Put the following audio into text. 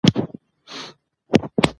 فرهنګ د ولس د ګډ فکر استازیتوب کوي.